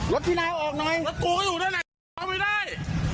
รถพี่นายออกหน่อยแล้วกูก็อยู่ด้วยไหนออกไปได้